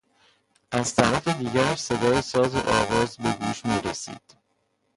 از طرف دیگرش صدای ساز و آواز به گوش می رسید.